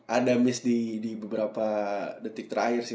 ada miss di beberapa detik terakhir sih